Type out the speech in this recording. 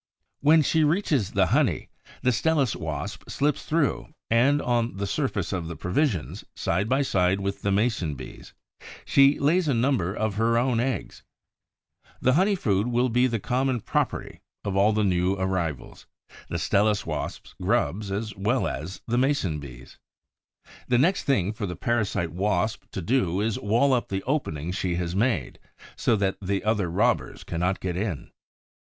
When she reaches the honey, the Stelis wasp slips through and, on the surface of the provisions, side by side with the Mason bee's, she lays a number of her own eggs. The honey food will be the common property of all the new arrivals, the Stelis wasp's grubs as well as the Mason bee's. The next thing for the parasite Wasp to do is to wall up the opening she has made, so that other robbers cannot get in.